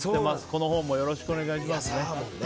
この本もよろしくお願いします。